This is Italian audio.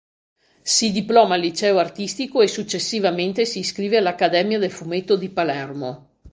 Si diploma al liceo artistico e successivamente si iscrive all'accademia del fumetto di Palermo.